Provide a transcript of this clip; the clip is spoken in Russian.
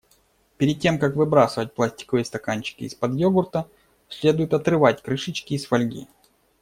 Перед тем как выбрасывать пластиковые стаканчики из-под йогурта, следует отрывать крышечки из фольги.